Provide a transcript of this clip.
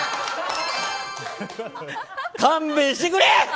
勘弁してくれ！